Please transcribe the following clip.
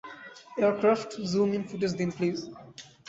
Aircraft, zoom in footage দিন, please.